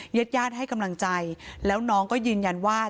ญาติญาติให้กำลังใจแล้วน้องก็ยืนยันว่า